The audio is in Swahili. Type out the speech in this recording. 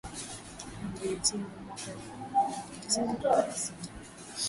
Alihitimu mwaka elfu moja mia tisa themanini na sita